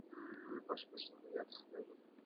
পরেশ ব্যস্ত হইয়া তাঁহাকে প্রতিনমস্কার করিলেন।